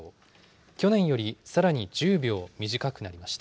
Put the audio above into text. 去年よりさらに１０秒短くなりました。